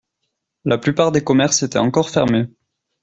La plupart des commerces étaient encore fermés.